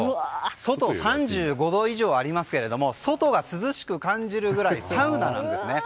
外、３５度以上ありますが外が涼しく感じるくらいサウナなんですね。